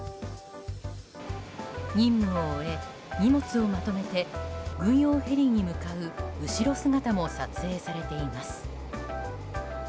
任務を終え、荷物をまとめて軍用ヘリに向かう後ろ姿も撮影されています。